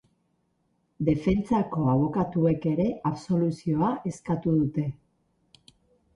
Defentsako abokatuek ere absoluzioa eskatu dute.